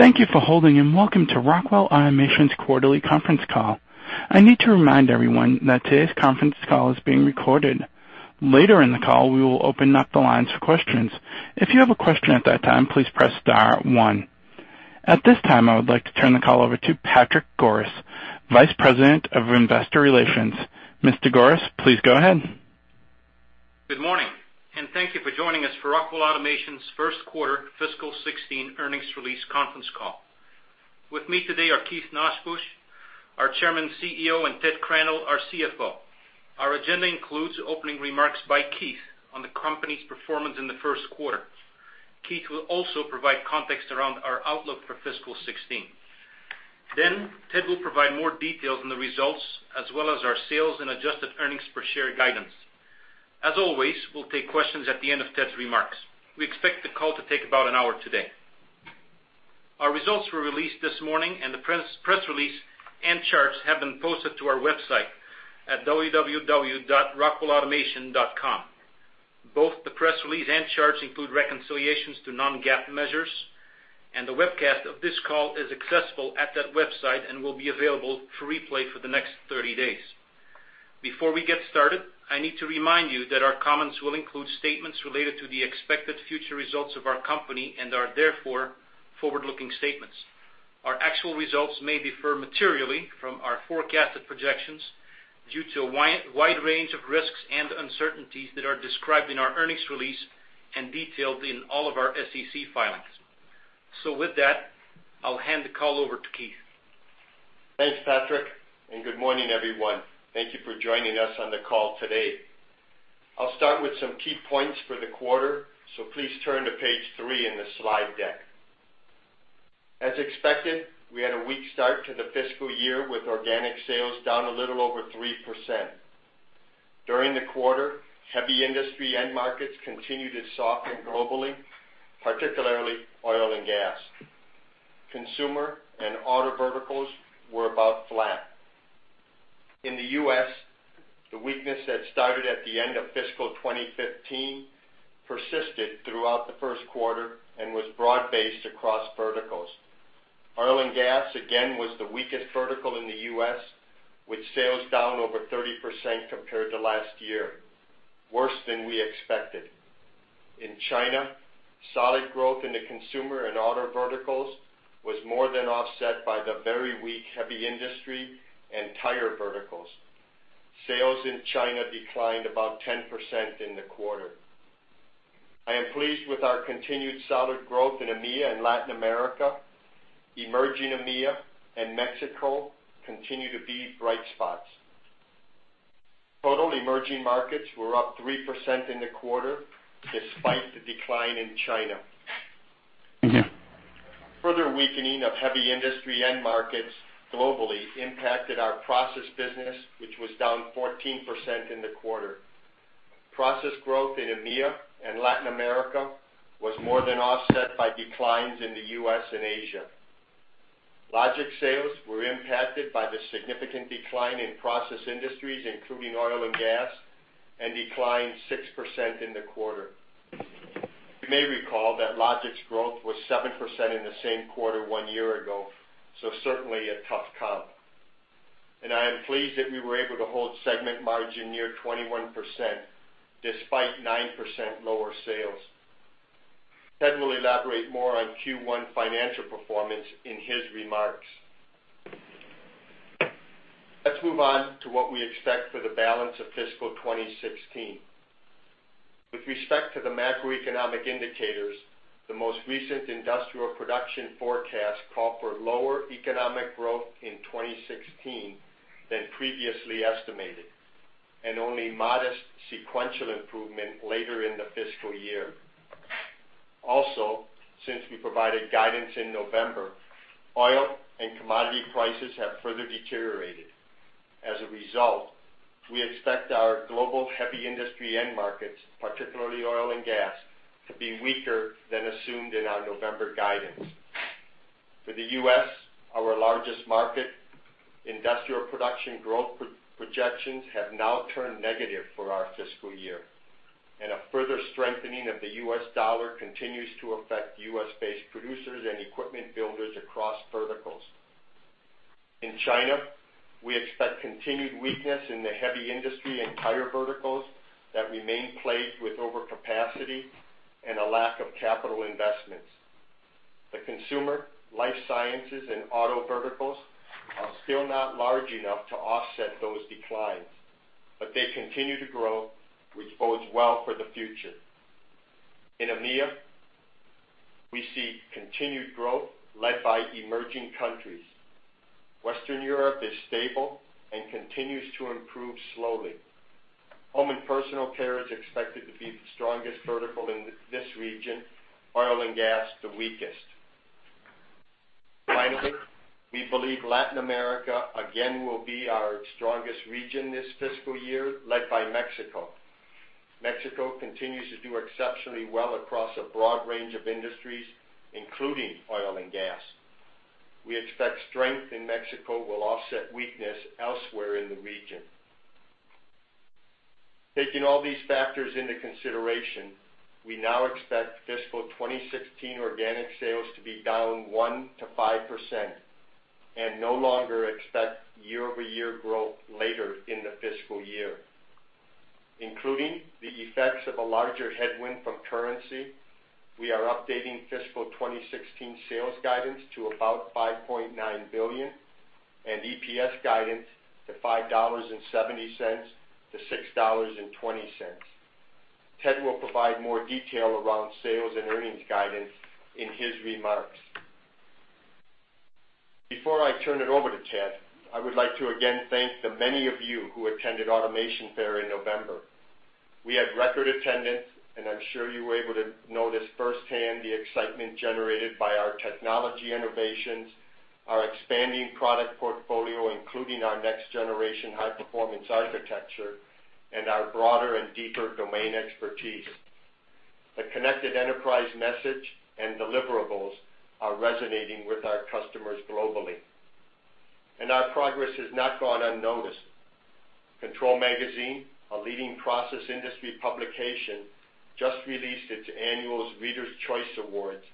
Thank you for holding, welcome to Rockwell Automation's quarterly conference call. I need to remind everyone that today's conference call is being recorded. Later in the call, we will open up the lines for questions. If you have a question at that time, please press star one. At this time, I would like to turn the call over to Patrick Goris, Vice President of Investor Relations. Mr. Goris, please go ahead. Good morning, thank you for joining us for Rockwell Automation's first quarter fiscal 2016 earnings release conference call. With me today are Keith Nosbusch, our Chairman, CEO, and Theodore Crandall, our CFO. Our agenda includes opening remarks by Keith on the company's performance in the first quarter. Keith will also provide context around our outlook for fiscal 2016. Ted will provide more details on the results as well as our sales and adjusted earnings per share guidance. Always, we'll take questions at the end of Ted's remarks. We expect the call to take about an hour today. Our results were released this morning, the press release and charts have been posted to our website at www.rockwellautomation.com. Both the press release and charts include reconciliations to non-GAAP measures, the webcast of this call is accessible at that website and will be available for replay for the next 30 days. Before we get started, I need to remind you that our comments will include statements related to the expected future results of our company and are therefore forward-looking statements. Our actual results may differ materially from our forecasted projections due to a wide range of risks and uncertainties that are described in our earnings release and detailed in all of our SEC filings. With that, I'll hand the call over to Keith. Thanks, Patrick, good morning, everyone. Thank you for joining us on the call today. I'll start with some key points for the quarter, please turn to page three in the slide deck. Expected, we had a weak start to the fiscal year, with organic sales down a little over 3%. During the quarter, heavy industry end markets continued to soften globally, particularly oil and gas. Consumer and auto verticals were about flat. In the U.S., the weakness that started at the end of fiscal 2015 persisted throughout the first quarter and was broad-based across verticals. Oil and gas again was the weakest vertical in the U.S., with sales down over 30% compared to last year, worse than we expected. In China, solid growth in the consumer and auto verticals was more than offset by the very weak heavy industry and tire verticals. Sales in China declined about 10% in the quarter. I am pleased with our continued solid growth in EMEA and Latin America. Emerging EMEA and Mexico continue to be bright spots. Total emerging markets were up 3% in the quarter despite the decline in China. Further weakening of heavy industry end markets globally impacted our process business, which was down 14% in the quarter. Process growth in EMEA and Latin America was more than offset by declines in the U.S. and Asia. Logic sales were impacted by the significant decline in process industries, including oil and gas, and declined 6% in the quarter. You may recall that logic's growth was 7% in the same quarter one year ago, so certainly a tough comp, and I am pleased that we were able to hold segment margin near 21%, despite 9% lower sales. Ted will elaborate more on Q1 financial performance in his remarks. Let's move on to what we expect for the balance of fiscal 2016. With respect to the macroeconomic indicators, the most recent industrial production forecast called for lower economic growth in 2016 than previously estimated and only modest sequential improvement later in the fiscal year. Since we provided guidance in November, oil and commodity prices have further deteriorated. We expect our global heavy industry end markets, particularly oil and gas, to be weaker than assumed in our November guidance. For the U.S., our largest market, industrial production growth projections have now turned negative for our fiscal year. A further strengthening of the U.S. dollar continues to affect U.S.-based producers and equipment builders across verticals. In China, we expect continued weakness in the heavy industry and tire verticals that remain plagued with overcapacity and a lack of capital investments. The consumer, life sciences, and auto verticals are still not large enough to offset those declines. They continue to grow, which bodes well for the future. In EMEA, we see continued growth led by emerging countries. Western Europe is stable and continues to improve slowly. Home and personal care is expected to be the strongest vertical in this region, oil and gas the weakest. We believe Latin America again will be our strongest region this fiscal year, led by Mexico. Mexico continues to do exceptionally well across a broad range of industries, including oil and gas. We expect strength in Mexico will offset weakness elsewhere in the region. Taking all these factors into consideration, we now expect fiscal 2016 organic sales to be down 1%-5% and no longer expect year-over-year growth later in the fiscal year. Including the effects of a larger headwind from currency, we are updating fiscal 2016 sales guidance to about $5.9 billion and EPS guidance to $5.70-$6.20. Ted will provide more detail around sales and earnings guidance in his remarks. Before I turn it over to Ted, I would like to again thank the many of you who attended Automation Fair in November. We had record attendance, and I'm sure you were able to notice firsthand the excitement generated by our technology innovations, our expanding product portfolio, including our next-generation Integrated Architecture, and our broader and deeper domain expertise. The Connected Enterprise message and deliverables are resonating with our customers globally, and our progress has not gone unnoticed. Control magazine, a leading process industry publication, just released its annual Readers' Choice Awards,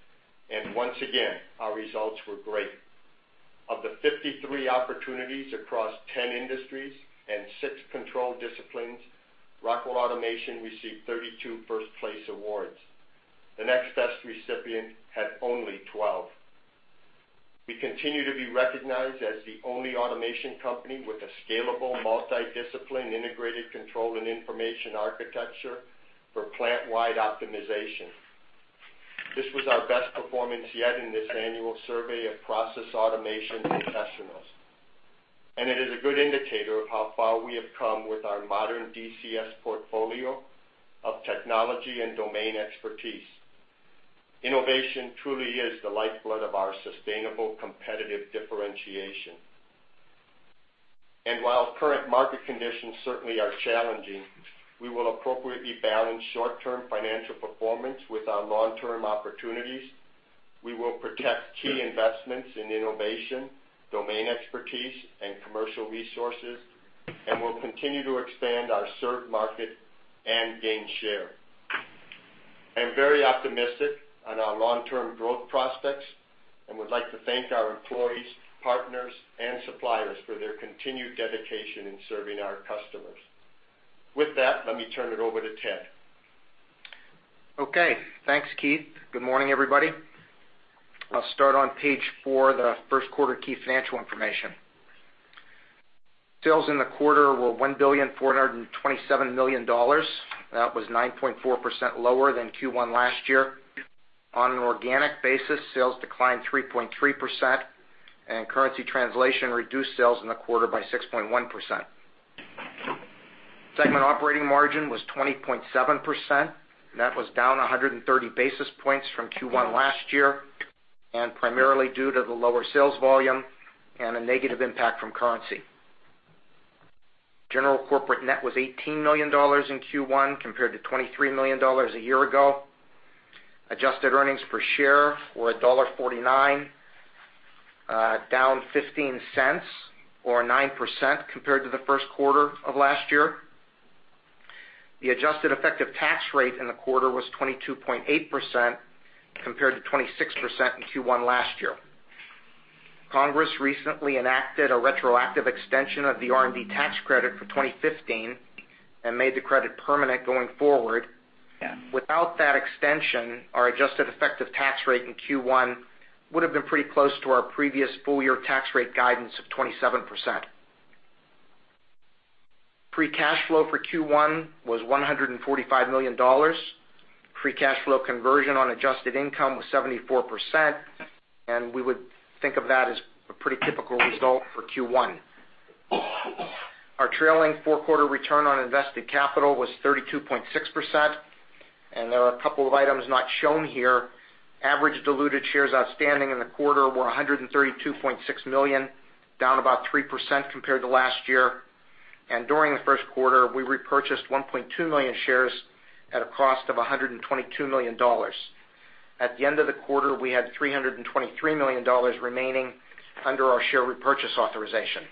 and once again, our results were great. Of the 53 opportunities across 10 industries and six control disciplines, Rockwell Automation received 32 first-place awards. The next best recipient had only 12. We continue to be recognized as the only automation company with a scalable, multi-discipline, integrated control and information architecture for plant-wide optimization. This was our best performance yet in this annual survey of process automation professionals, and it is a good indicator of how far we have come with our modern DCS portfolio of technology and domain expertise. Innovation truly is the lifeblood of our sustainable competitive differentiation. While current market conditions certainly are challenging, we will appropriately balance short-term financial performance with our long-term opportunities. We will protect key investments in innovation, domain expertise, and commercial resources, we'll continue to expand our served market and gain share. I'm very optimistic on our long-term growth prospects and would like to thank our employees, partners, and suppliers for their continued dedication in serving our customers. With that, let me turn it over to Ted. Okay. Thanks, Keith. Good morning, everybody. I'll start on Page four, the first quarter key financial information. Sales in the quarter were $1,427,000,000. That was 9.4% lower than Q1 last year. On an organic basis, sales declined 3.3%, currency translation reduced sales in the quarter by 6.1%. Segment operating margin was 20.7%. That was down 130 basis points from Q1 last year, primarily due to the lower sales volume and a negative impact from currency. General corporate net was $18,000,000 in Q1, compared to $23,000,000 a year ago. Adjusted earnings per share were $1.49, down $0.15 or 9% compared to the first quarter of last year. The adjusted effective tax rate in the quarter was 22.8%, compared to 26% in Q1 last year. Congress recently enacted a retroactive extension of the R&D tax credit for 2015 and made the credit permanent going forward. Without that extension, our adjusted effective tax rate in Q1 would have been pretty close to our previous full-year tax rate guidance of 27%. Free cash flow for Q1 was $145,000,000. Free cash flow conversion on adjusted income was 74%, we would think of that as a pretty typical result for Q1. Our trailing four-quarter return on invested capital was 32.6%, there are a couple of items not shown here. Average diluted shares outstanding in the quarter were 132.6 million, down about 3% compared to last year. During the first quarter, we repurchased 1.2 million shares at a cost of $122 million. At the end of the quarter, we had $323 million remaining under our share repurchase authorization.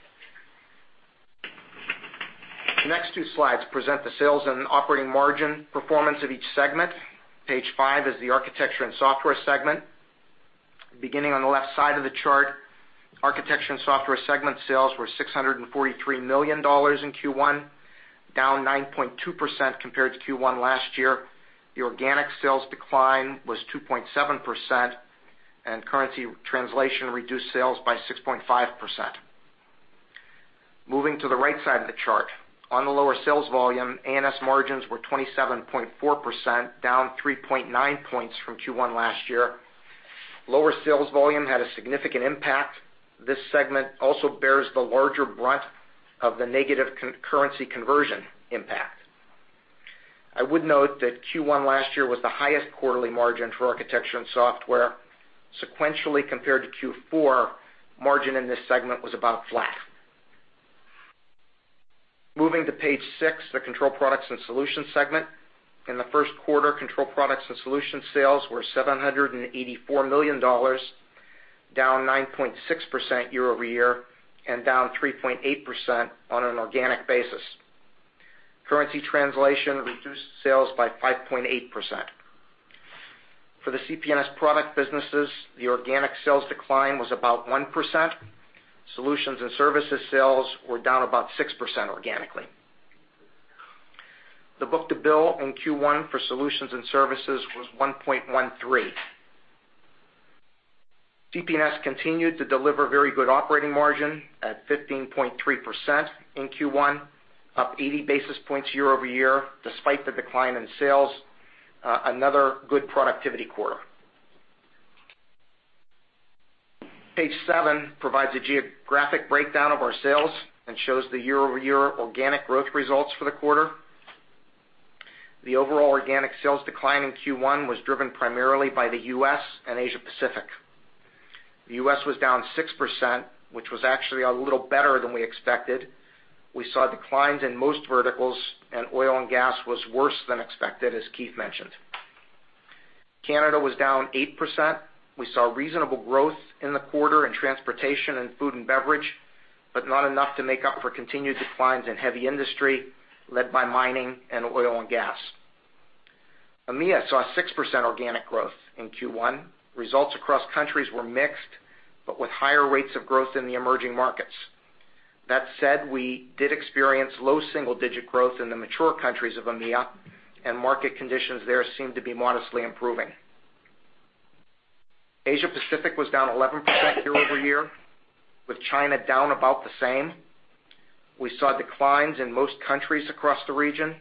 The next two slides present the sales and operating margin performance of each segment. Page five is the Architecture & Software segment. Beginning on the left side of the chart, Architecture & Software segment sales were $643 million in Q1, down 9.2% compared to Q1 last year. The organic sales decline was 2.7%, and currency translation reduced sales by 6.5%. Moving to the right side of the chart. On the lower sales volume, A&S margins were 27.4%, down 3.9 points from Q1 last year. Lower sales volume had a significant impact. This segment also bears the larger brunt of the negative currency conversion impact. I would note that Q1 last year was the highest quarterly margin for Architecture & Software. Sequentially, compared to Q4, margin in this segment was about flat. Moving to Page 6, the Control Products & Solutions segment. In the first quarter, Control Products & Solutions sales were $784 million. Down 9.6% year-over-year, and down 3.8% on an organic basis. Currency translation reduced sales by 5.8%. For the CPNS product businesses, the organic sales decline was about 1%. Solutions and services sales were down about 6% organically. The book-to-bill in Q1 for solutions and services was 1.13. CPNS continued to deliver very good operating margin at 15.3% in Q1, up 80 basis points year-over-year, despite the decline in sales. Another good productivity quarter. Page seven provides a geographic breakdown of our sales and shows the year-over-year organic growth results for the quarter. The overall organic sales decline in Q1 was driven primarily by the U.S. and Asia Pacific. The U.S. was down 6%, which was actually a little better than we expected. We saw declines in most verticals, and oil and gas was worse than expected, as Keith mentioned. Canada was down 8%. We saw reasonable growth in the quarter in transportation and food and beverage, but not enough to make up for continued declines in heavy industry, led by mining and oil and gas. EMEA saw 6% organic growth in Q1. Results across countries were mixed, but with higher rates of growth in the emerging markets. That said, we did experience low single-digit growth in the mature countries of EMEA, and market conditions there seem to be modestly improving. Asia Pacific was down 11% year-over-year, with China down about the same. We saw declines in most countries across the region.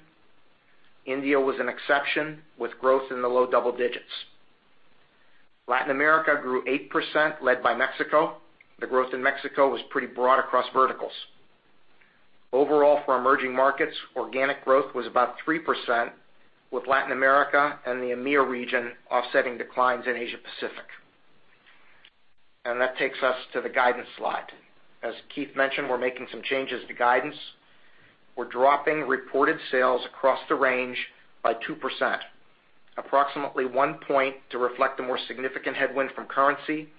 India was an exception, with growth in the low double digits. Latin America grew 8%, led by Mexico. The growth in Mexico was pretty broad across verticals. Overall, for emerging markets, organic growth was about 3%, with Latin America and the EMEA region offsetting declines in Asia Pacific. That takes us to the guidance slide. As Keith mentioned, we're making some changes to guidance. We're dropping reported sales across the range by 2%, approximately one point to reflect the more significant headwind from currency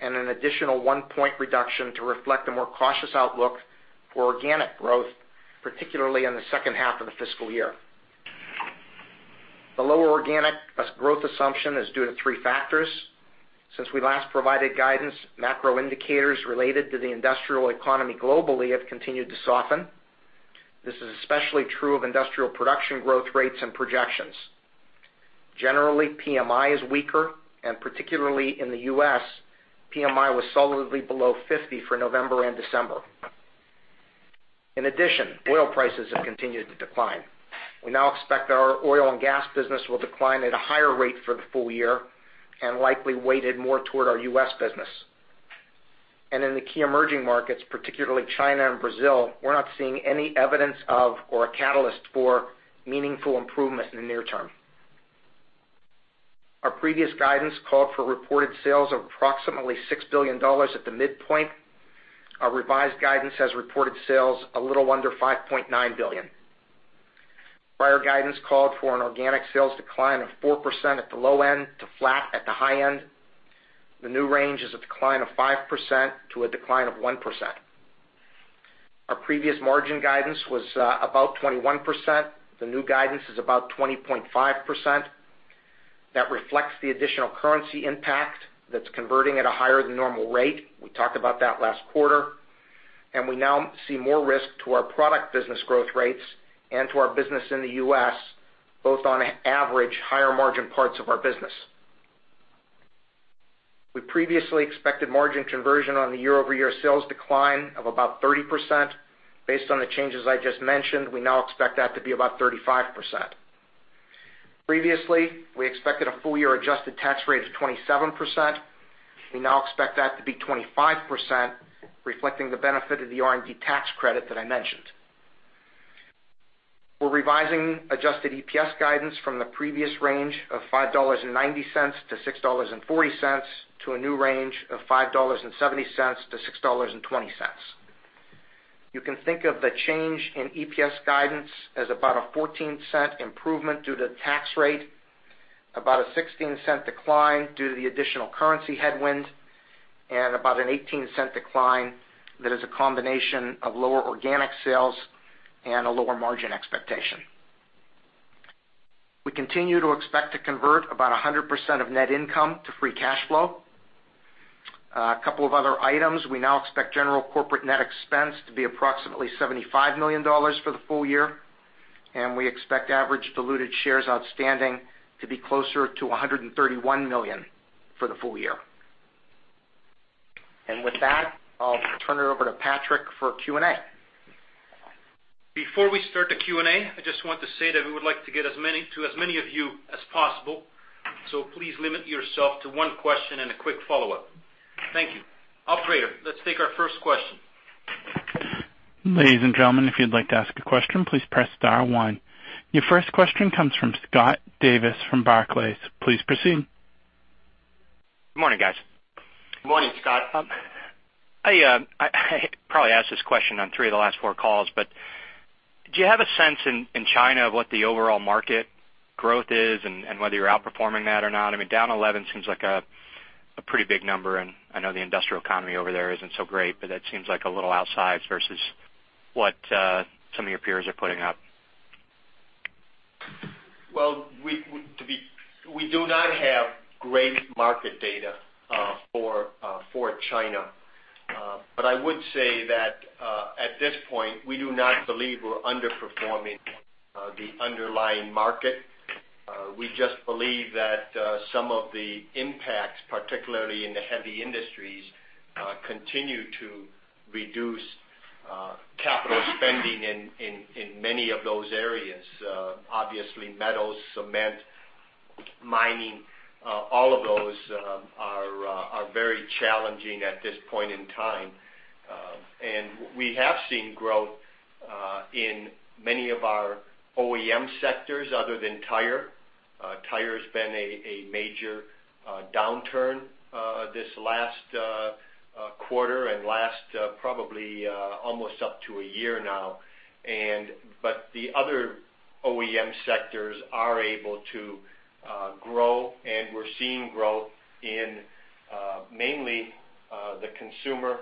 and an additional one-point reduction to reflect a more cautious outlook for organic growth, particularly in the second half of the fiscal year. The lower organic growth assumption is due to three factors. Since we last provided guidance, macro indicators related to the industrial economy globally have continued to soften. This is especially true of industrial production growth rates and projections. Generally, PMI is weaker, and particularly in the U.S., PMI was solidly below 50 for November and December. In addition, oil prices have continued to decline. We now expect our oil and gas business will decline at a higher rate for the full year and likely weighted more toward our U.S. business. In the key emerging markets, particularly China and Brazil, we're not seeing any evidence of or a catalyst for meaningful improvement in the near term. Our previous guidance called for reported sales of approximately $6 billion at the midpoint. Our revised guidance has reported sales a little under $5.9 billion. Prior guidance called for an organic sales decline of 4% at the low end to flat at the high end. The new range is a decline of 5% to a decline of 1%. Our previous margin guidance was about 21%. The new guidance is about 20.5%. That reflects the additional currency impact that's converting at a higher-than-normal rate. We talked about that last quarter. We now see more risk to our product business growth rates and to our business in the U.S., both on average higher-margin parts of our business. We previously expected margin conversion on the year-over-year sales decline of about 30%. Based on the changes I just mentioned, we now expect that to be about 35%. Previously, we expected a full-year adjusted tax rate of 27%. We now expect that to be 25%, reflecting the benefit of the R&D tax credit that I mentioned. We're revising adjusted EPS guidance from the previous range of $5.90 to $6.40 to a new range of $5.70 to $6.20. You can think of the change in EPS guidance as about a $0.14 improvement due to the tax rate, about a $0.16 decline due to the additional currency headwind, and about an $0.18 decline that is a combination of lower organic sales and a lower margin expectation. We continue to expect to convert about 100% of net income to free cash flow. A couple of other items. We now expect general corporate net expense to be approximately $75 million for the full year, and we expect average diluted shares outstanding to be closer to 131 million for the full year. With that, I'll turn it over to Patrick for Q&A. Before we start the Q&A, I just want to say that we would like to get to as many of you as possible, please limit yourself to one question and a quick follow-up. Thank you. Operator, let's take our first question. Ladies and gentlemen, if you'd like to ask a question, please press star one. Your first question comes from Scott Davis from Barclays. Please proceed. Good morning, guys. Good morning, Scott. I probably asked this question on three of the last four calls. Do you have a sense in China of what the overall market growth is and whether you're outperforming that or not? Down 11 seems like a pretty big number, and I know the industrial economy over there isn't so great, but that seems a little outsized versus what some of your peers are putting up. We do not have great market data for China. I would say that, at this point, we do not believe we're underperforming the underlying market. We just believe that some of the impacts, particularly in the heavy industries, continue to reduce capital spending in many of those areas. Obviously, metals, cement, mining, all of those are very challenging at this point in time. We have seen growth in many of our OEM sectors other than tire. Tire's been a major downturn this last quarter and last probably almost up to a year now. The other OEM sectors are able to grow, and we're seeing growth in mainly the consumer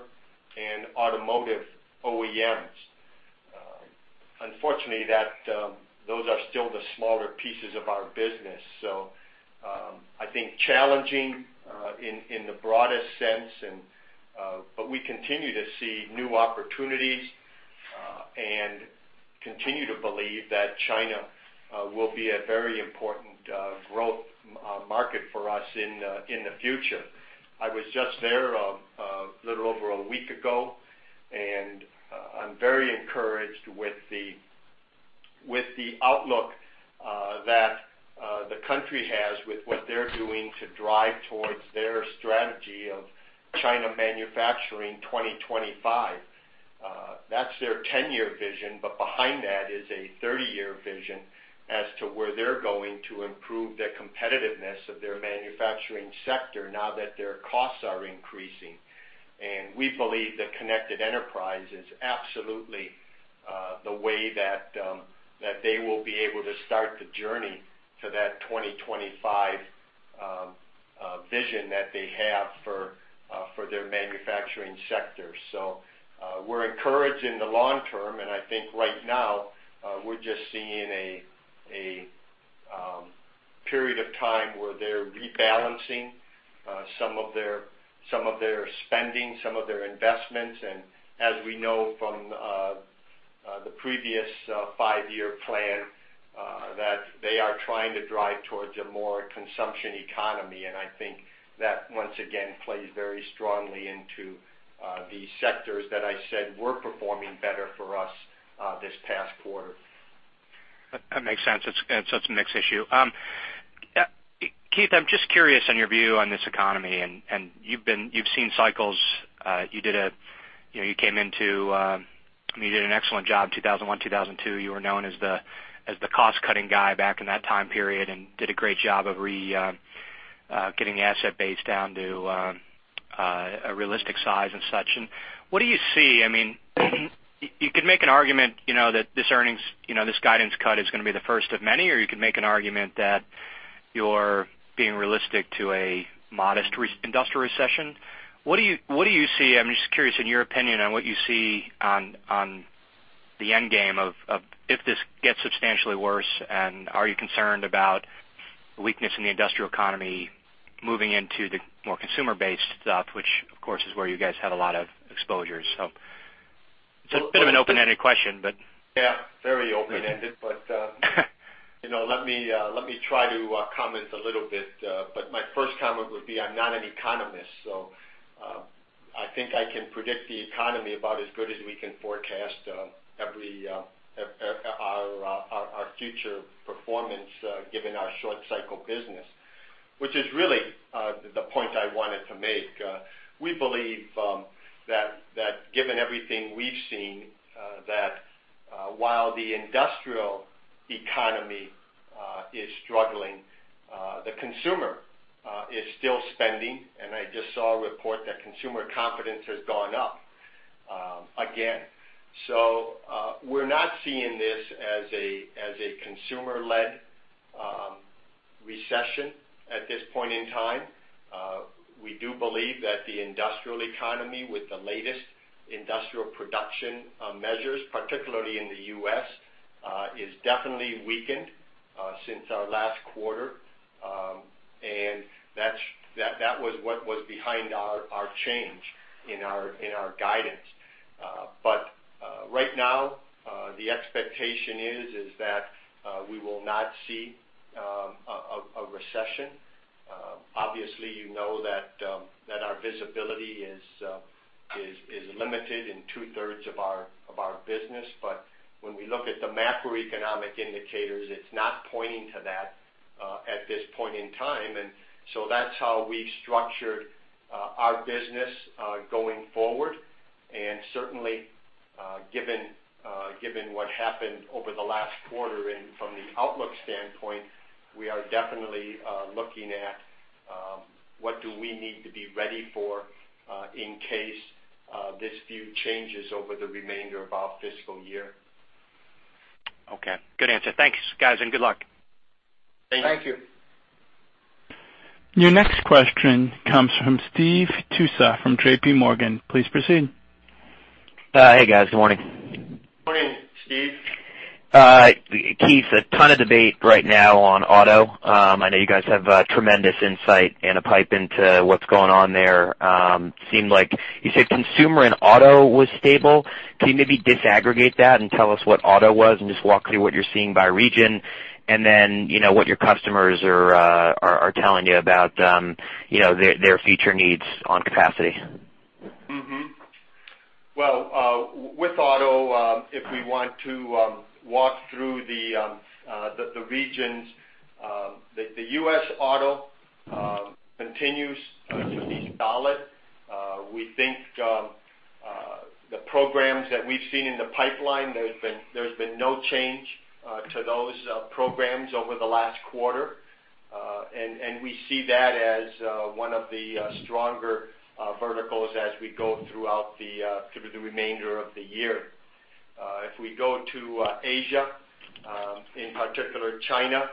and automotive OEMs. Unfortunately, those are still the smaller pieces of our business. I think challenging in the broadest sense, we continue to see new opportunities and continue to believe that China will be a very important growth market for us in the future. I was just there a little over a week ago, and I'm very encouraged with the outlook that the country has with what they're doing to drive towards their strategy of Made in China 2025. That's their 10-year vision, behind that is a 30-year vision as to where they're going to improve the competitiveness of their manufacturing sector now that their costs are increasing. We believe that The Connected Enterprise is absolutely the way that they will be able to start the journey to that 2025 vision that they have for their manufacturing sector. We're encouraged in the long term, and I think right now, we're just seeing a period of time where they're rebalancing some of their spending, some of their investments. As we know from the previous five-year plan, that they are trying to drive towards a more consumption economy. I think that, once again, plays very strongly into the sectors that I said were performing better for us this past quarter. That makes sense. It's a mixed issue. Keith, I'm just curious on your view on this economy, and you've seen cycles. You did an excellent job, 2001, 2002. You were known as the cost-cutting guy back in that time period and did a great job of getting the asset base down to a realistic size and such. What do you see? You could make an argument that this guidance cut is going to be the first of many, or you could make an argument that you're being realistic to a modest industrial recession. What do you see? I'm just curious, in your opinion, on what you see on the end game of if this gets substantially worse, and are you concerned about weakness in the industrial economy moving into the more consumer-based stuff, which, of course, is where you guys have a lot of exposure. It's a bit of an open-ended question. Yeah, very open-ended. Let me try to comment a little bit. My first comment would be, I'm not an economist, I think I can predict the economy about as good as we can forecast our future performance, given our short cycle business, which is really the point I wanted to make. We believe that given everything we've seen, that while the industrial economy is struggling, the consumer is still spending, and I just saw a report that consumer confidence has gone up again. We're not seeing this as a consumer-led recession at this point in time. We do believe that the industrial economy with the latest industrial production measures, particularly in the U.S., is definitely weakened since our last quarter. That was what was behind our change in our guidance. Right now, the expectation is that we will not see a recession. Obviously, you know that our visibility is limited in two-thirds of our business. When we look at the macroeconomic indicators, it's not pointing to that at this point in time. That's how we structured our business going forward. Certainly, given what happened over the last quarter and from the outlook standpoint, we are definitely looking at what do we need to be ready for in case this view changes over the remainder of our fiscal year. Okay. Good answer. Thanks, guys, and good luck. Thank you. Thank you. Your next question comes from Steve Tusa from JPMorgan. Please proceed. Hey, guys. Good morning. Morning, Steve. Keith, a ton of debate right now on auto. I know you guys have tremendous insight and a pipe into what's going on there. You said consumer and auto was stable. Can you maybe disaggregate that and tell us what auto was and just walk through what you're seeing by region? Then, what your customers are telling you about their future needs on capacity? With auto, if we want to walk through the regions, the U.S. auto continues to be solid. We think the programs that we've seen in the pipeline, there's been no change to those programs over the last quarter. We see that as one of the stronger verticals as we go throughout the remainder of the year. If we go to Asia, in particular China,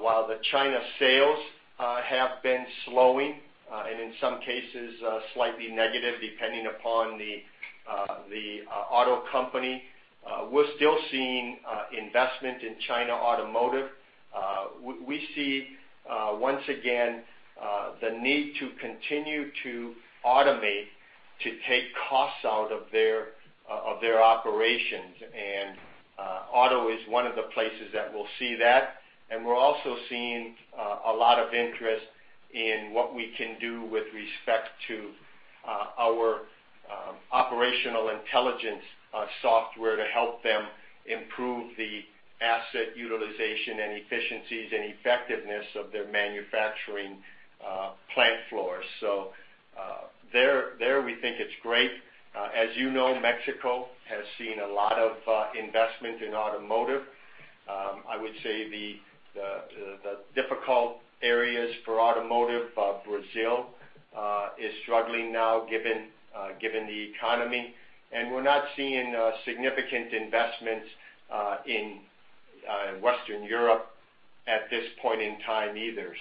while the China sales have been slowing, and in some cases, slightly negative, depending upon the auto company, we're still seeing investment in China automotive. We see, once again, the need to continue to automate, to take costs out of their operations. Auto is one of the places that we'll see that. We're also seeing a lot of interest in what we can do with respect to our operational intelligence software to help them improve the asset utilization and efficiencies and effectiveness of their manufacturing plant floors. There, we think it's great. As you know Mexico has seen a lot of investment in automotive. I would say the difficult areas for automotive, Brazil is struggling now given the economy. We're not seeing significant investments in Western Europe at this point in time either.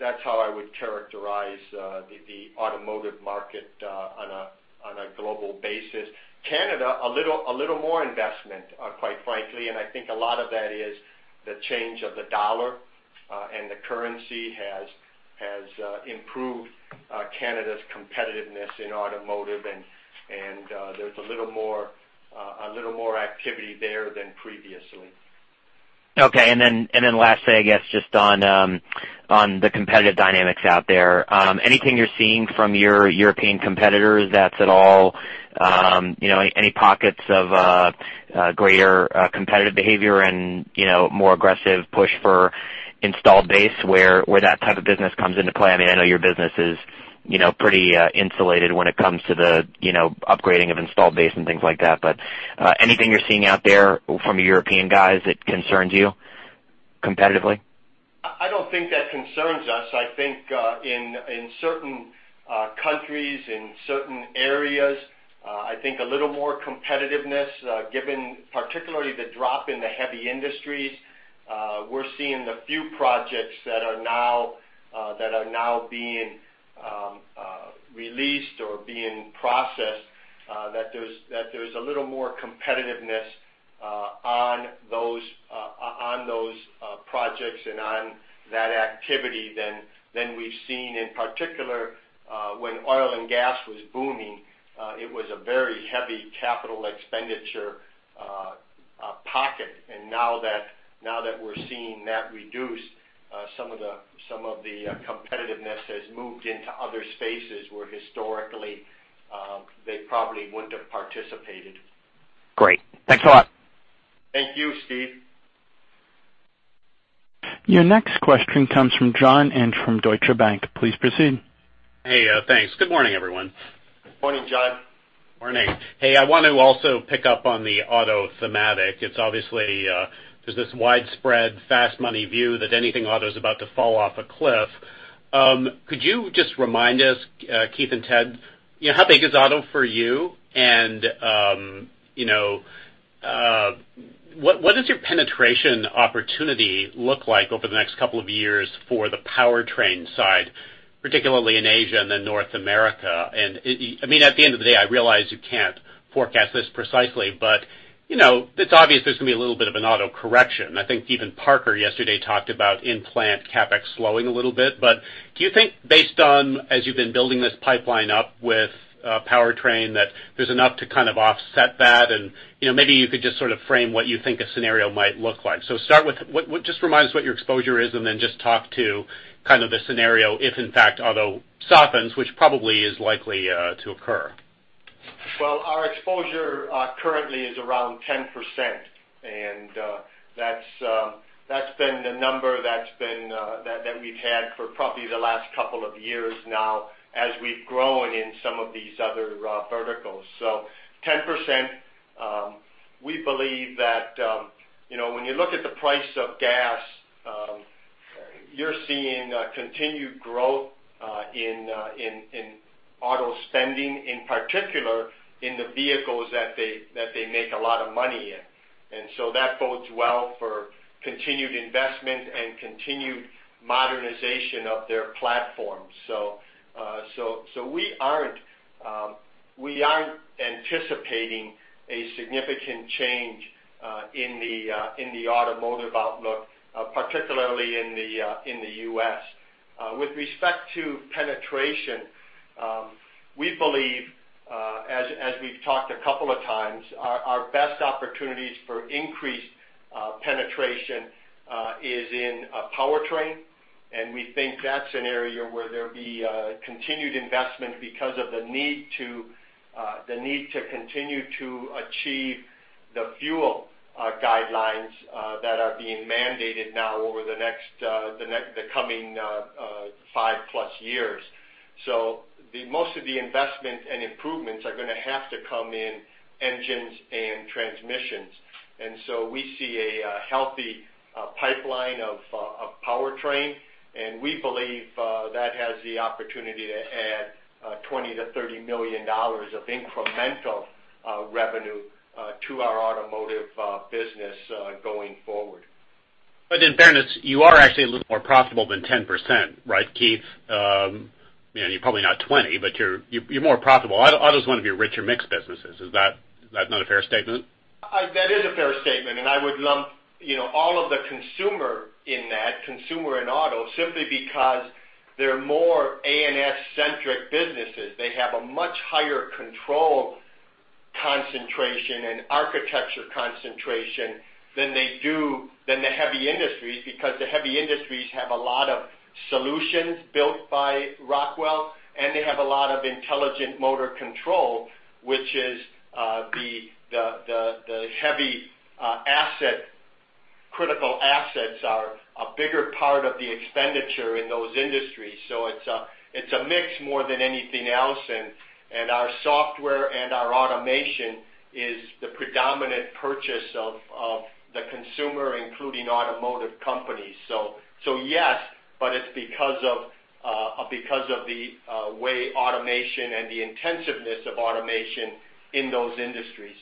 That's how I would characterize the automotive market on a global basis. Canada, a little more investment, quite frankly, and I think a lot of that is the change of the dollar, and the currency has improved Canada's competitiveness in automotive, and there's a little more activity there than previously. Okay. Lastly, I guess, just on the competitive dynamics out there. Anything you're seeing from your European competitors that's any pockets of greater competitive behavior and more aggressive push for installed base where that type of business comes into play? I know your business is pretty insulated when it comes to the upgrading of installed base and things like that. Anything you're seeing out there from the European guys that concerns you competitively? I don't think that concerns us. I think in certain countries, in certain areas, I think a little more competitiveness, given particularly the drop in the heavy industries. We're seeing the few projects that are now being released or being processed, that there's a little more competitiveness on those projects and on that activity than we've seen. In particular, when oil and gas was booming, it was a very heavy capital expenditure pocket. Now that we're seeing that reduce, some of the competitiveness has moved into other spaces where historically, they probably wouldn't have participated. Great. Thanks a lot. Thank you, Steve. Your next question comes from John Inch from Deutsche Bank. Please proceed. Hey, thanks. Good morning, everyone. Morning, John. Morning. Hey, I want to also pick up on the auto thematic. There's this widespread fast money view that anything auto is about to fall off a cliff. Could you just remind us, Keith and Ted, how big is auto for you, and what does your penetration opportunity look like over the next couple of years for the powertrain side, particularly in Asia and then North America? At the end of the day, I realize you can't forecast this precisely, but it's obvious there's going to be a little bit of an auto correction. I think even Parker yesterday talked about in-plant CapEx slowing a little bit. Do you think based on as you've been building this pipeline up with powertrain, that there's enough to kind of offset that? Maybe you could just sort of frame what you think a scenario might look like. Start with, just remind us what your exposure is and then just talk to kind of the scenario if in fact auto softens, which probably is likely to occur. Our exposure currently is around 10%, and that's been the number that we've had for probably the last couple of years now as we've grown in some of these other verticals. 10%. We believe that when you look at the price of gas, you're seeing continued growth in auto spending, in particular in the vehicles that they make a lot of money in. That bodes well for continued investment and continued modernization of their platform. We aren't anticipating a significant change in the automotive outlook, particularly in the U.S. With respect to penetration, we believe, as we've talked a couple of times, our best opportunities for increased penetration is in powertrain, and we think that's an area where there'll be continued investment because of the need to continue to achieve the fuel guidelines that are being mandated now over the coming five-plus years. Most of the investment and improvements are going to have to come in engines and transmissions. We see a healthy pipeline of powertrain, and we believe that has the opportunity to add $20 million-$30 million of incremental revenue to our automotive business going forward. In fairness, you are actually a little more profitable than 10%, right, Keith? You're probably not 20%, but you're more profitable. Auto is one of your richer mixed businesses. Is that not a fair statement? That is a fair statement. I would lump all of the consumer in that, consumer and auto, simply because they're more A&S-centric businesses. They have a much higher control concentration and architecture concentration than the heavy industries, because the heavy industries have a lot of solutions built by Rockwell, and they have a lot of intelligent motor control, which is the heavy asset. Critical assets are a bigger part of the expenditure in those industries. It's a mix more than anything else, and our software and our automation is the predominant purchase of the consumer, including automotive companies. Yes, but it's because of the way automation and the intensiveness of automation in those industries.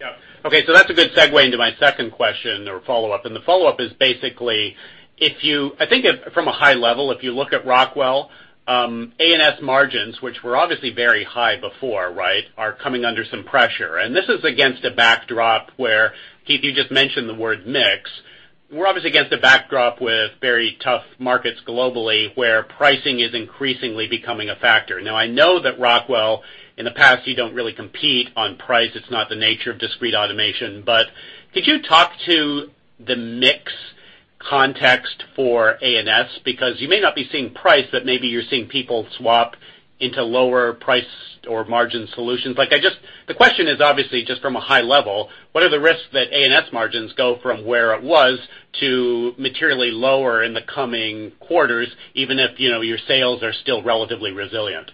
Yeah. Okay. That's a good segue into my second question or follow-up. The follow-up is basically, I think from a high level, if you look at Rockwell, A&S margins, which were obviously very high before, are coming under some pressure. This is against a backdrop where, Keith, you just mentioned the word mix. We're obviously against a backdrop with very tough markets globally, where pricing is increasingly becoming a factor. I know that Rockwell, in the past, you don't really compete on price. It's not the nature of discrete automation. Could you talk to the mix context for A&S? Because you may not be seeing price, but maybe you're seeing people swap into lower price or margin solutions. The question is obviously just from a high level, what are the risks that A&S margins go from where it was to materially lower in the coming quarters, even if your sales are still relatively resilient?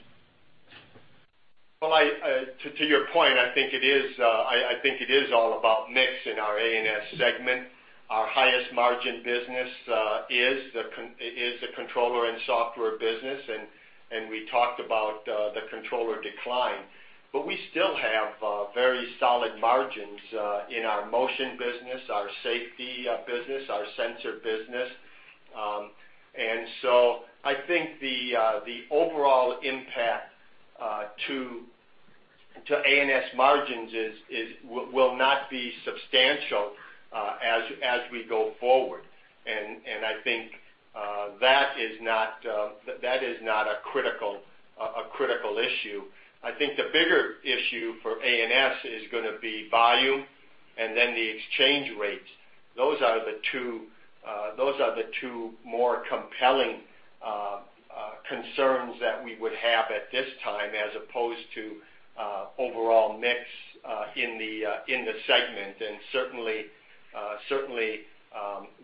Well, to your point, I think it is all about mix in our A&S segment. Our highest margin business is the controller and software business. We talked about the controller decline. We still have very solid margins in our motion business, our safety business, our sensor business. I think the overall impact to A&S margins will not be substantial as we go forward. I think that is not a critical issue. I think the bigger issue for A&S is going to be volume and then the exchange rates. Those are the two more compelling concerns that we would have at this time as opposed to overall mix in the segment. Certainly,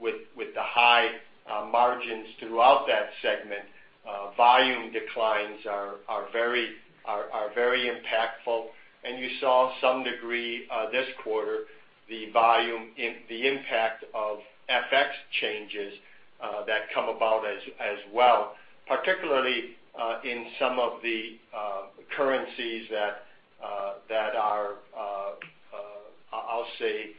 with the high margins throughout that segment, volume declines are very impactful. You saw some degree this quarter, the impact of FX changes that come about as well, particularly in some of the currencies that are, I'll say,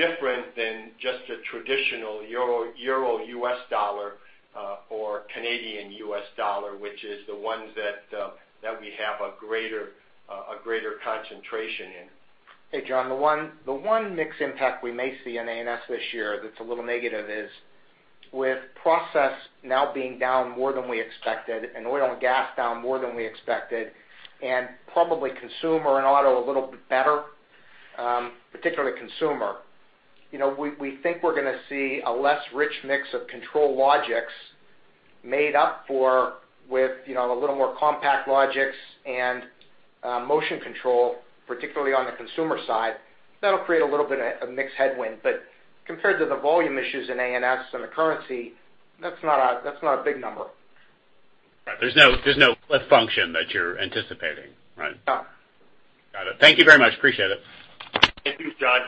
different than just a traditional Euro-U.S. dollar or Canadian-U.S. dollar, which is the ones that we have a greater concentration in. Hey, John, the one mix impact we may see in A&S this year that's a little negative is with process now being down more than we expected and oil and gas down more than we expected, and probably consumer and auto a little bit better, particularly consumer. We think we're going to see a less rich mix of ControlLogix made up for with a little more CompactLogix and motion control, particularly on the consumer side. That'll create a little bit of mix headwind. Compared to the volume issues in A&S and the currency, that's not a big number. Right. There's no cliff function that you're anticipating, right? Thank you very much. Appreciate it. Thank you, John.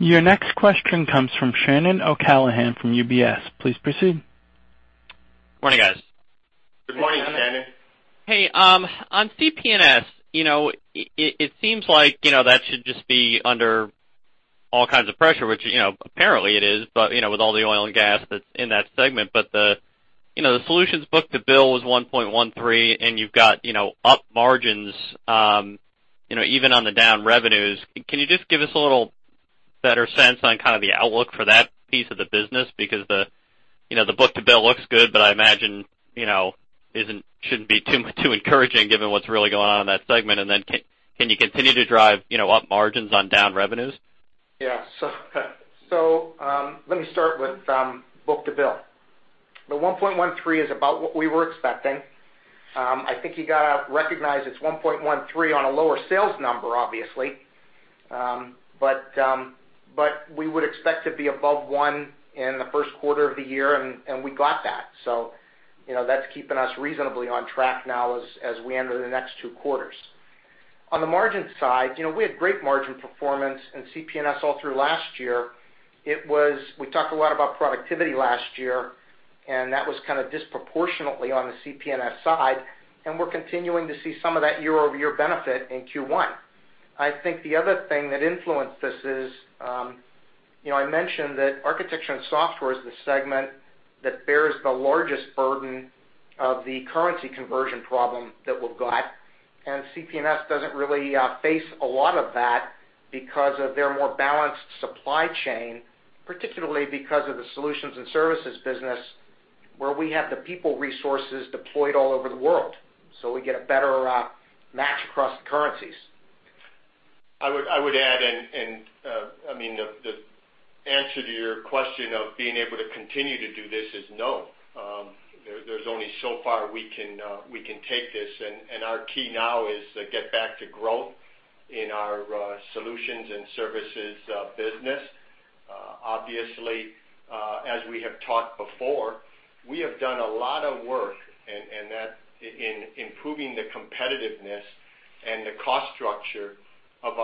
Your next question comes from Shannon O'Callaghan from UBS. Please proceed. Morning, guys. Good morning, Shannon. On CPNS, it seems like that should just be under all kinds of pressure, which apparently it is, with all the oil and gas that's in that segment. The solutions book-to-bill was 1.13 and you've got up margins even on the down revenues. Can you just give us a little better sense on kind of the outlook for that piece of the business? Because the book-to-bill looks good, but I imagine shouldn't be too encouraging given what's really going on in that segment. Can you continue to drive up margins on down revenues? Let me start with book-to-bill. The 1.13 is about what we were expecting. I think you got to recognize it's 1.13 on a lower sales number, obviously. We would expect to be above one in the first quarter of the year, and we got that. That's keeping us reasonably on track now as we enter the next two quarters. On the margin side, we had great margin performance in CPNS all through last year. We talked a lot about productivity last year, and that was kind of disproportionately on the CPNS side, and we're continuing to see some of that year-over-year benefit in Q1. I think the other thing that influenced this is, I mentioned that Architecture & Software is the segment that bears the largest burden of the currency conversion problem that we've got, and CPNS doesn't really face a lot of that because of their more balanced supply chain, particularly because of the solutions and services business where we have the people resources deployed all over the world. We get a better match across the currencies. I would add in, the answer to your question of being able to continue to do this is no. There's only so far we can take this, and our key now is to get back to growth in our solutions and services business. Obviously, as we have talked before, we have done a lot of work in improving the competitiveness and the cost structure of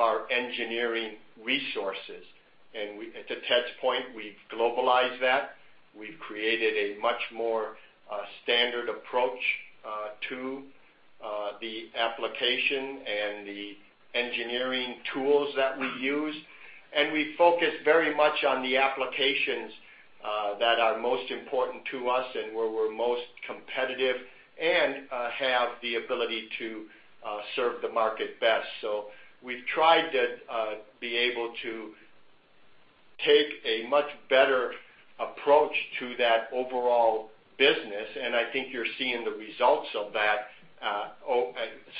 our engineering resources. To Ted's point, we've globalized that. We've created a much more standard approach to the application and the engineering tools that we use, and we focus very much on the applications that are most important to us and where we're most competitive and have the ability to serve the market best. We've tried to be able to take a much better approach to that overall business, and I think you're seeing the results of that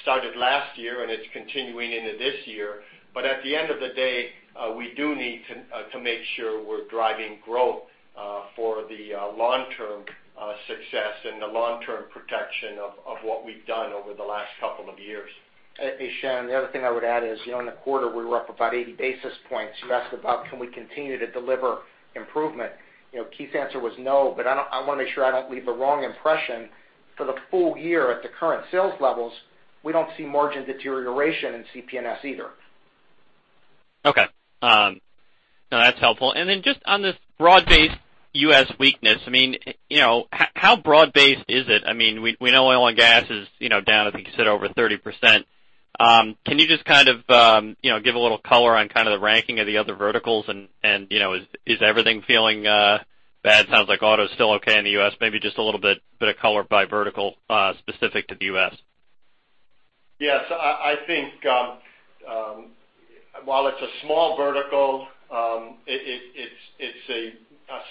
started last year, and it's continuing into this year. At the end of the day, we do need to make sure we're driving growth for the long-term success and the long-term protection of what we've done over the last couple of years. Hey, Shannon, the other thing I would add is, in the quarter, we were up about 80 basis points. You asked about can we continue to deliver improvement? Keith's answer was no, but I want to make sure I don't leave the wrong impression. For the full year at the current sales levels, we don't see margin deterioration in CPNS either. Okay. No, that's helpful. Then just on this broad-based U.S. weakness, how broad-based is it? We know oil and gas is down, I think you said over 30%. Can you just kind of give a little color on kind of the ranking of the other verticals and is everything feeling bad? Sounds like auto's still okay in the U.S. Maybe just a little bit of color by vertical specific to the U.S. Yes, I think while it's a small vertical, it's a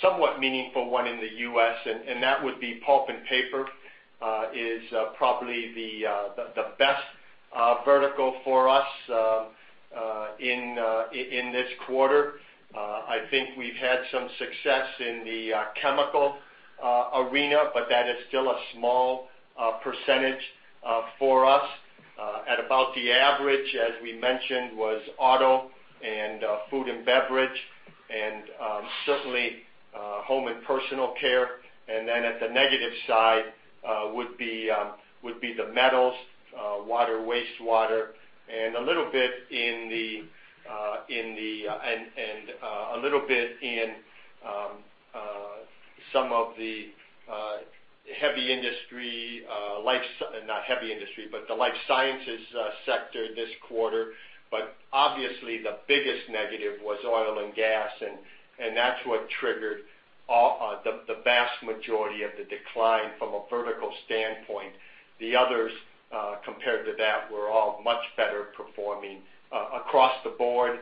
somewhat meaningful one in the U.S., and that would be pulp and paper is probably the best vertical for us in this quarter. I think we've had some success in the chemical arena, but that is still a small percentage for us. At about the average, as we mentioned, was auto and food and beverage, and certainly home and personal care. Then at the negative side would be the metals, water, wastewater, and a little bit in some of the heavy industry, not heavy industry, but the life sciences sector this quarter. Obviously the biggest negative was oil and gas, and that's what triggered the vast majority of the decline from a vertical standpoint. The others compared to that were all much better performing across the board.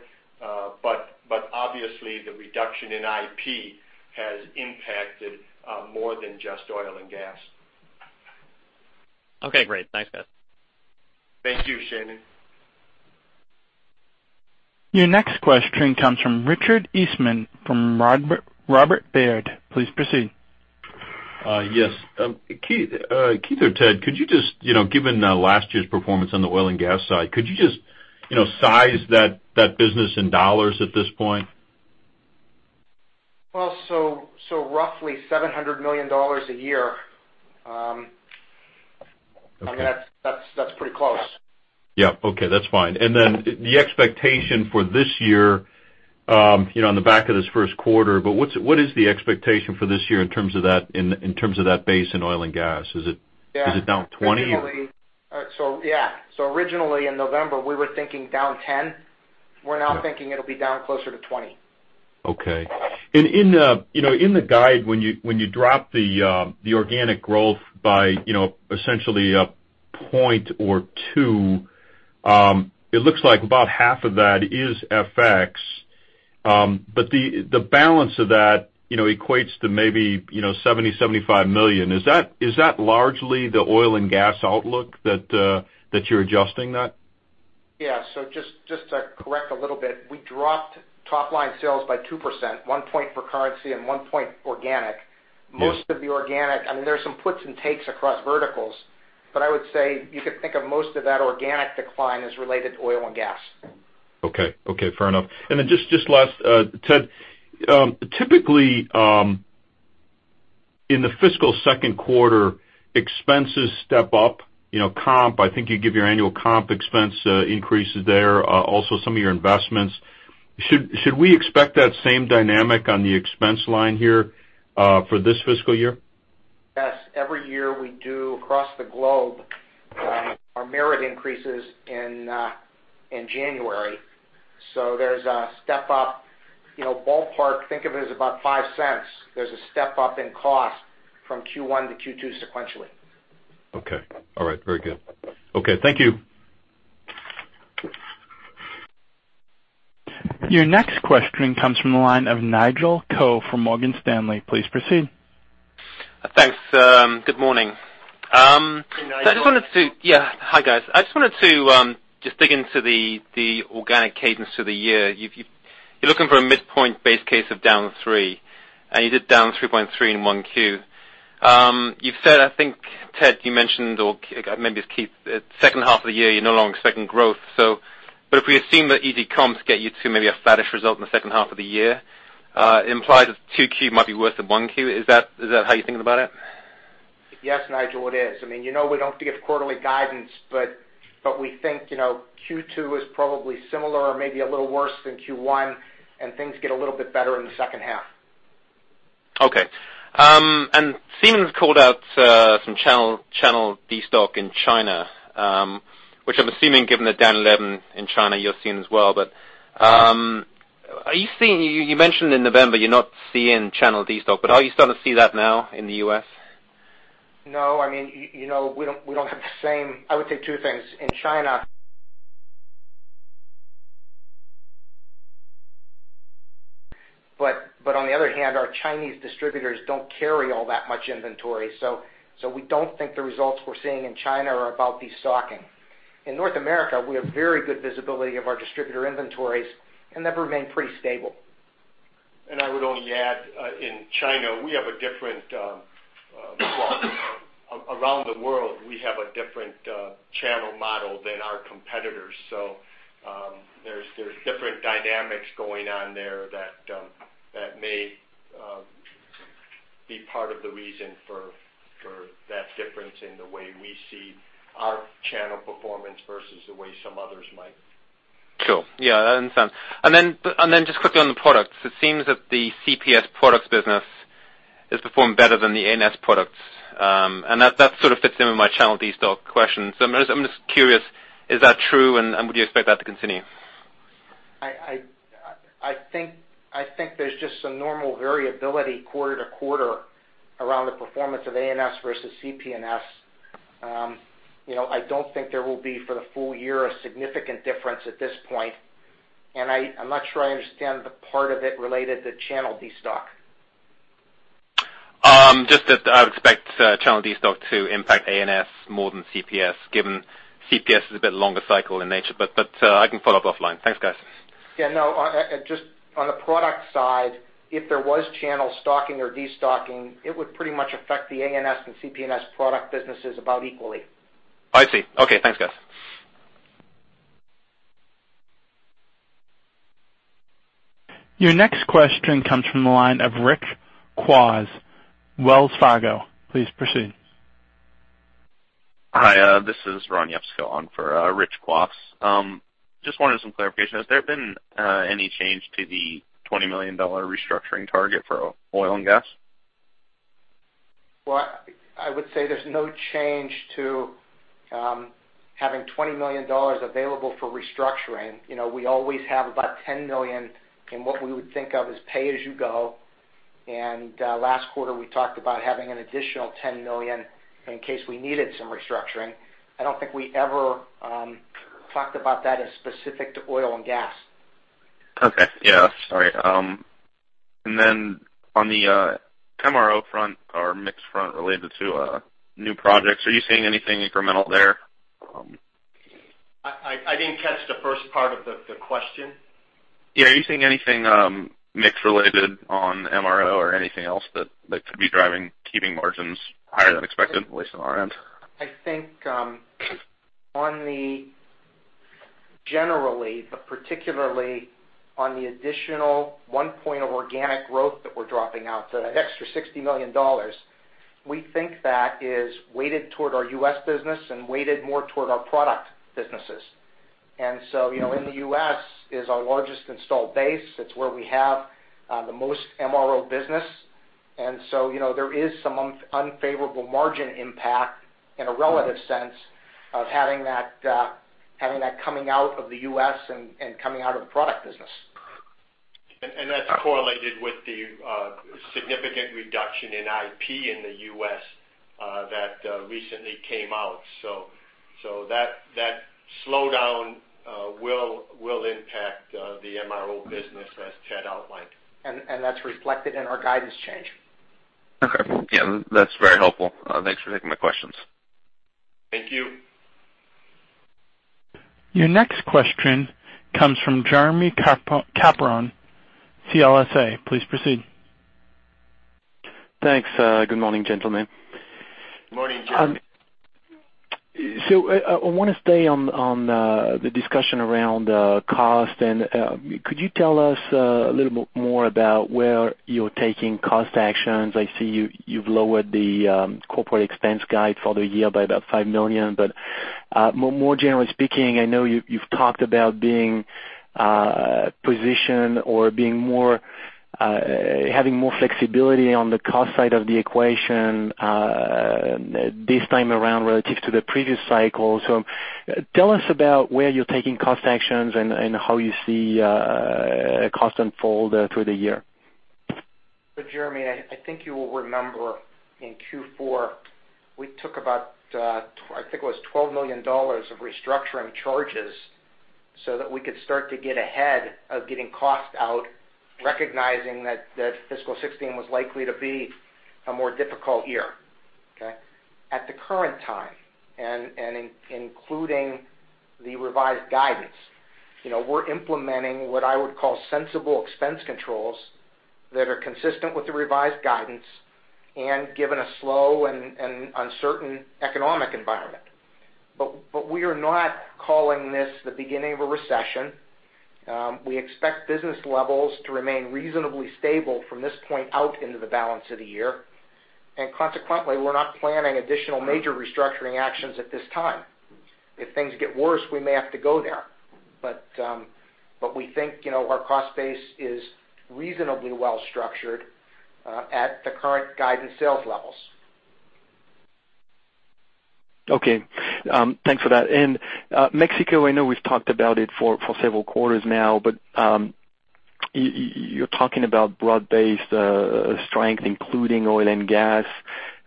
Obviously the reduction in IP has impacted more than just oil and gas. Okay, great. Thanks, guys. Thank you, Shannon. Your next question comes from Richard Eastman from Robert W. Baird. Please proceed. Yes. Keith or Ted, could you just, given last year's performance on the oil and gas side, could you just size that business in dollars at this point? Well, roughly $700 million a year. Okay. I mean, that's pretty close. Yeah. Okay, that's fine. The expectation for this year, on the back of this first quarter, what is the expectation for this year in terms of that base in oil and gas? Yeah Is it down 20, or? Yeah. Originally in November, we were thinking down 10. Yeah. We're now thinking it'll be down closer to 20. Okay. In the guide, when you drop the organic growth by essentially a point or two, it looks like about half of that is FX. The balance of that equates to maybe $70 million-$75 million. Is that largely the oil and gas outlook that you're adjusting that? Yeah. Just to correct a little bit, we dropped top-line sales by 2%, one point for currency and one point organic. Yeah. I mean, there are some puts and takes across verticals, I would say you could think of most of that organic decline as related to oil and gas. Okay. Fair enough. Just last, Ted, typically, in the fiscal second quarter, expenses step up. Comp, I think you give your annual Comp expense increases there, also some of your investments. Should we expect that same dynamic on the expense line here, for this fiscal year? Yes. Every year we do across the globe, our merit increases in January. There's a step-up, ballpark, think of it as about $0.05. There's a step-up in cost from Q1 to Q2 sequentially. Okay. All right, very good. Okay. Thank you. Your next question comes from the line of Nigel Coe from Morgan Stanley. Please proceed. Thanks. Good morning. Good morning, Nigel. Yeah. Hi, guys. I just wanted to dig into the organic cadence for the year. You're looking for a midpoint base case of down 3%, and you did down 3.3% in 1Q. You've said, I think, Ted, you mentioned, or maybe it's Keith, second half of the year, you're no longer expecting growth. If we assume that easy comps get you to maybe a flattish result in the second half of the year, it implies that 2Q might be worse than 1Q. Is that how you're thinking about it? Yes, Nigel, it is. I mean, you know we don't give quarterly guidance, we think Q2 is probably similar or maybe a little worse than Q1, and things get a little bit better in the second half. Okay. Siemens called out some channel destock in China, which I'm assuming, given the down 11% in China, you're seeing as well. You mentioned in November you're not seeing channel destock, are you starting to see that now in the U.S.? No, I mean, we don't have the same I would say two things. In China. On the other hand, our Chinese distributors don't carry all that much inventory, so we don't think the results we're seeing in China are about destocking. In North America, we have very good visibility of our distributor inventories, they've remained pretty stable. I would only add, Well, around the world, we have a different channel model than our competitors. There's different dynamics going on there that may be part of the reason for that difference in the way we see our channel performance versus the way some others might. Sure. Yeah, that makes sense. Just quickly on the products, it seems that the CPS products business has performed better than the A&S products. That sort of fits in with my channel D stock question. I'm just curious, is that true, and would you expect that to continue? I think there's just some normal variability quarter-to-quarter around the performance of A&S versus CPNS. I don't think there will be, for the full year, a significant difference at this point, and I'm not sure I understand the part of it related to channel D stock. Just that I would expect channel D stock to impact A&S more than CPS, given CPS is a bit longer cycle in nature. I can follow up offline. Thanks, guys. Yeah, no, just on the product side, if there was channel stocking or de-stocking, it would pretty much affect the A&S and CPNS product businesses about equally. I see. Okay, thanks, guys. Your next question comes from the line of Rich Kwas, Wells Fargo. Please proceed. Hi, this is Ron Yepsko on for Rich Kwas. Just wanted some clarification. Has there been any change to the $20 million restructuring target for oil and gas? I would say there's no change to having $20 million available for restructuring. We always have about $10 million in what we would think of as pay as you go. Last quarter, we talked about having an additional $10 million in case we needed some restructuring. I don't think we ever talked about that as specific to oil and gas. Okay. Yeah, sorry. On the MRO front or mix front related to new projects, are you seeing anything incremental there? I didn't catch the first part of the question. Yeah, are you seeing anything mix related on MRO or anything else that could be driving, keeping margins higher than expected, at least on our end? I think on the Generally, but particularly on the additional one point of organic growth that we're dropping out, so that extra $60 million, we think that is weighted toward our U.S. business and weighted more toward our product businesses. In the U.S. is our largest installed base. It's where we have the most MRO business. There is some unfavorable margin impact in a relative sense of having that coming out of the U.S. and coming out of the product business. That's correlated with the significant reduction in IP in the U.S. that recently came out. That slowdown will impact the MRO business as Ted outlined. That's reflected in our guidance change. Okay. Yeah, that's very helpful. Thanks for taking my questions. Thank you. Your next question comes from Jeremie Capron, CLSA. Please proceed. Thanks. Good morning, gentlemen. Morning, Jeremie. I want to stay on the discussion around cost. Could you tell us a little bit more about where you're taking cost actions? I see you've lowered the corporate expense guide for the year by about $5 million. More generally speaking, I know you've talked about being positioned or having more flexibility on the cost side of the equation this time around relative to the previous cycle. Tell us about where you're taking cost actions and how you see cost unfold through the year. Jeremie, I think you will remember in Q4, we took about, I think it was $12 million of restructuring charges so that we could start to get ahead of getting cost out, recognizing that fiscal 2016 was likely to be a more difficult year. Okay? At the current time, including the revised guidance, we're implementing what I would call sensible expense controls that are consistent with the revised guidance and given a slow and uncertain economic environment. We are not calling this the beginning of a recession. We expect business levels to remain reasonably stable from this point out into the balance of the year. Consequently, we're not planning additional major restructuring actions at this time. If things get worse, we may have to go there. We think our cost base is reasonably well structured at the current guidance sales levels. Okay. Thanks for that. Mexico, I know we've talked about it for several quarters now, you're talking about broad-based strength, including oil and gas.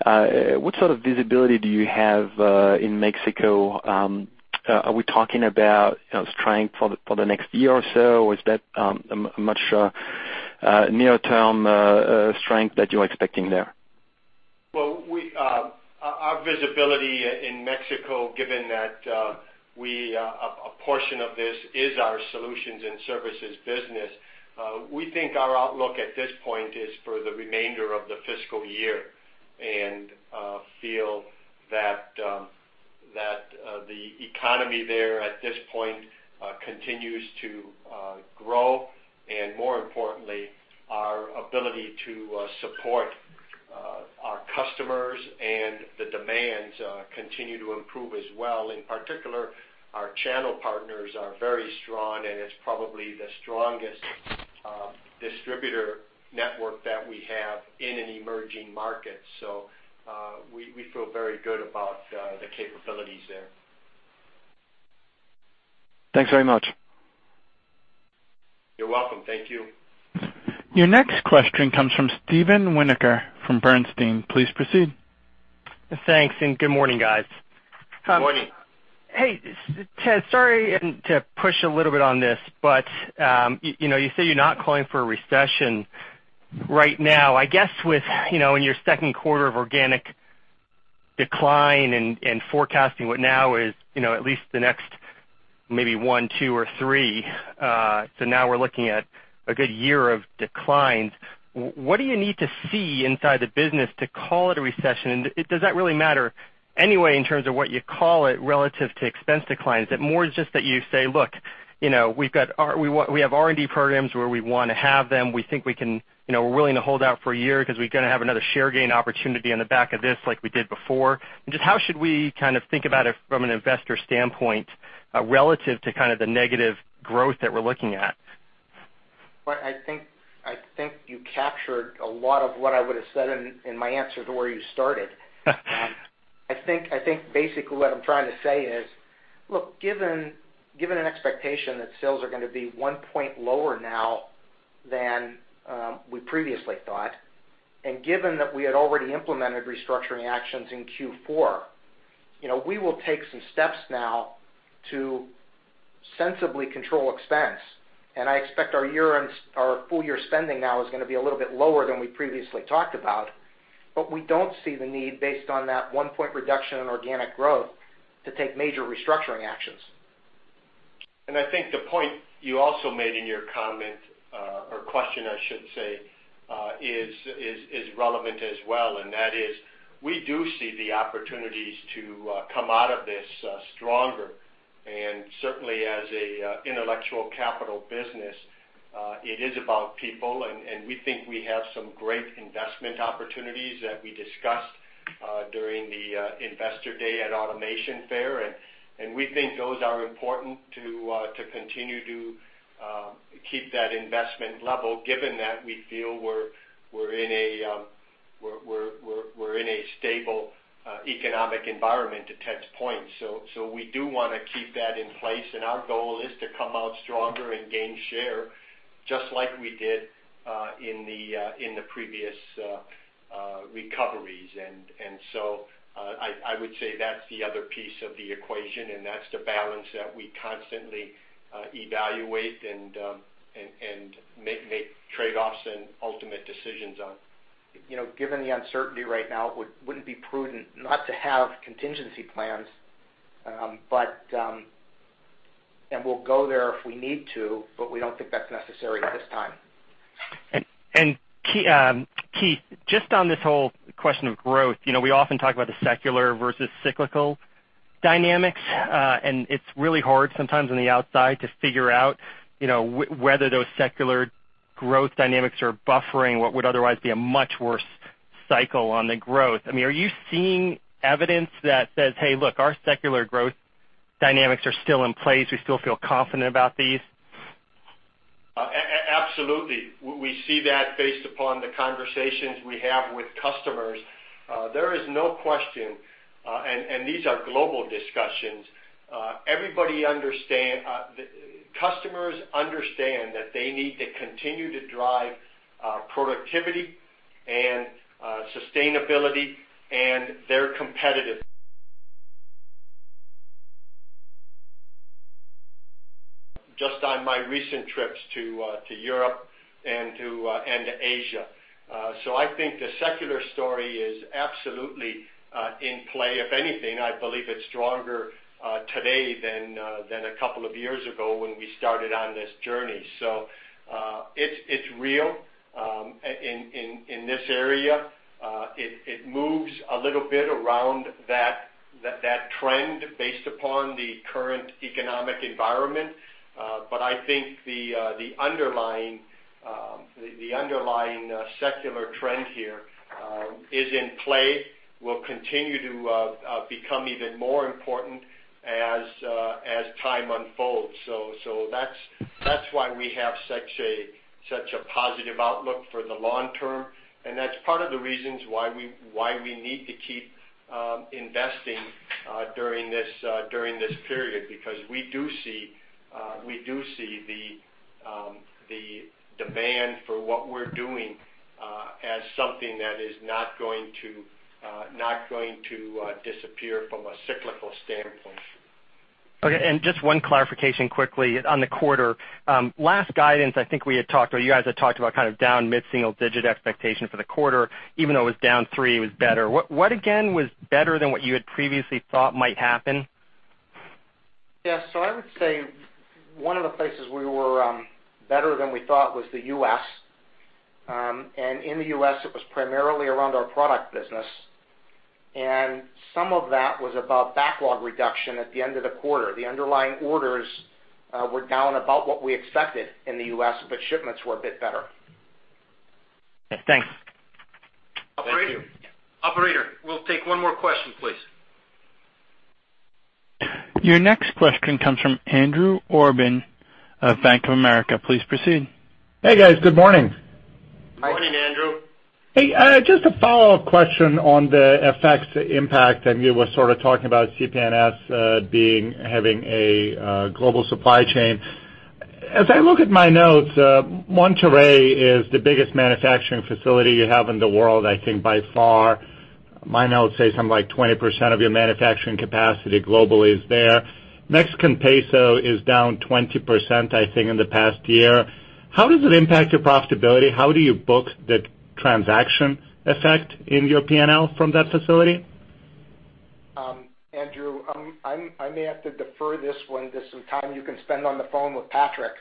What sort of visibility do you have in Mexico? Are we talking about strength for the next year or so? Is that much near-term strength that you're expecting there? Well, our visibility in Mexico, given that a portion of this is our solutions and services business, we think our outlook at this point is for the remainder of the fiscal year. We feel that the economy there at this point continues to grow. More importantly, our ability to support our customers and the demands continue to improve as well. In particular, our channel partners are very strong. It's probably the strongest distributor network that we have in an emerging market. We feel very good about the capabilities there. Thanks very much. You're welcome. Thank you. Your next question comes from Steven Winoker from Bernstein. Please proceed. Thanks, good morning, guys. Morning. Hey, Ted, sorry to push a little bit on this. You say you're not calling for a recession right now. I guess with, in your second quarter of organic decline and forecasting what now is at least the next maybe one, two, or three. Now we're looking at a good year of declines. What do you need to see inside the business to call it a recession? Does that really matter anyway in terms of what you call it relative to expense declines? Is it more just that you say, "Look, we have R&D programs where we want to have them. We think we're willing to hold out for a year because we're going to have another share gain opportunity on the back of this like we did before." Just how should we kind of think about it from an investor standpoint relative to kind of the negative growth that we're looking at? I think you captured a lot of what I would have said in my answer to where you started. I think basically what I'm trying to say is, look, given an expectation that sales are going to be one point lower now than we previously thought. Given that we had already implemented restructuring actions in Q4, we will take some steps now to sensibly control expense. I expect our full-year spending now is going to be a little bit lower than we previously talked about. We don't see the need based on that one point reduction in organic growth to take major restructuring actions. I think the point you also made in your comment, or question I should say Is relevant as well. That is, we do see the opportunities to come out of this stronger. Certainly as an intellectual capital business, it is about people. We think we have some great investment opportunities that we discussed during the Investor Day at Automation Fair. We think those are important to continue to keep that investment level, given that we feel we're in a stable economic environment to Ted's point. We do want to keep that in place. Our goal is to come out stronger and gain share, just like we did in the previous recoveries. I would say that's the other piece of the equation. That's the balance that we constantly evaluate and make trade-offs and ultimate decisions on. Given the uncertainty right now, it wouldn't be prudent not to have contingency plans. We'll go there if we need to, but we don't think that's necessary at this time. Keith, just on this whole question of growth, we often talk about the secular versus cyclical dynamics. It's really hard sometimes on the outside to figure out whether those secular growth dynamics are buffering what would otherwise be a much worse cycle on the growth. Are you seeing evidence that says, "Hey, look, our secular growth dynamics are still in place. We still feel confident about these? Absolutely. We see that based upon the conversations we have with customers. There is no question, and these are global discussions. Customers understand that they need to continue to drive productivity and sustainability and their competitive just on my recent trips to Europe and to Asia. I think the secular story is absolutely in play. If anything, I believe it's stronger today than a couple of years ago when we started on this journey. It's real in this area. It moves a little bit around that trend based upon the current economic environment. I think the underlying secular trend here is in play, will continue to become even more important as time unfolds. That's why we have such a positive outlook for the long term, and that's part of the reasons why we need to keep investing during this period because we do see the demand for what we're doing as something that is not going to disappear from a cyclical standpoint. Okay, just one clarification quickly on the quarter. Last guidance, I think we had talked, or you guys had talked about kind of down mid-single digit expectation for the quarter. Even though it was down 3, it was better. What again was better than what you had previously thought might happen? Yeah. I would say one of the places we were better than we thought was the U.S. In the U.S., it was primarily around our product business. Some of that was about backlog reduction at the end of the quarter. The underlying orders were down about what we expected in the U.S., but shipments were a bit better. Yes. Thanks. Thank you. Operator? Operator, we'll take one more question, please. Your next question comes from Andrew Obin of Bank of America. Please proceed. Hey, guys. Good morning. Morning, Andrew. Just a follow-up question on the effects impact, you were talking about CPNS having a global supply chain. As I look at my notes, Monterrey is the biggest manufacturing facility you have in the world, I think by far. My notes say something like 20% of your manufacturing capacity globally is there. Mexican peso is down 20%, I think, in the past year. How does it impact your profitability? How do you book the transaction effect in your P&L from that facility? Andrew, I may have to defer this one to some time you can spend on the phone with Patrick.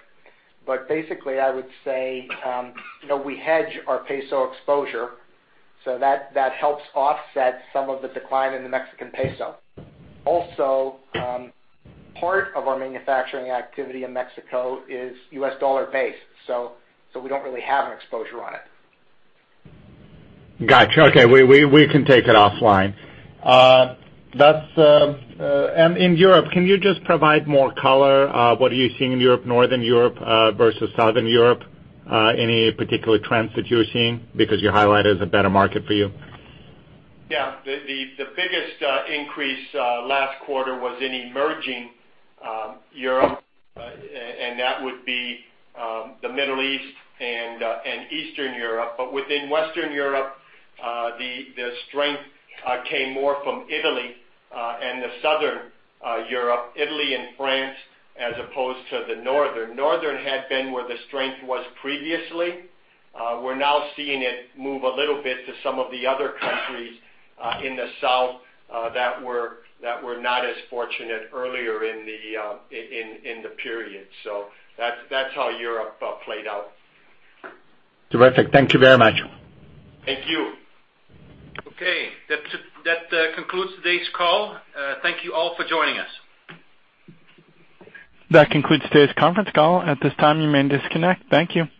Basically, I would say, we hedge our peso exposure, so that helps offset some of the decline in the Mexican peso. Also, part of our manufacturing activity in Mexico is U.S. dollar-based, so we don't really have an exposure on it. Got you. Okay. We can take it offline. In Europe, can you just provide more color? What are you seeing in Europe, Northern Europe versus Southern Europe? Any particular trends that you're seeing because you highlighted it as a better market for you? Yeah. The biggest increase last quarter was in Emerging Europe, and that would be the Middle East and Eastern Europe. Within Western Europe, the strength came more from Italy and Southern Europe, Italy and France, as opposed to the Northern. Northern had been where the strength was previously. We're now seeing it move a little bit to some of the other countries in the south that were not as fortunate earlier in the period. That's how Europe played out. Terrific. Thank you very much. Thank you. Okay. That concludes today's call. Thank you all for joining us. That concludes today's conference call. At this time, you may disconnect. Thank you.